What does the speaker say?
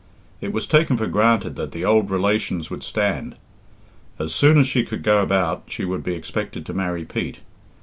It was taken for granted that the old relations would stand. As soon as she could go about she would be expected to marry Pete.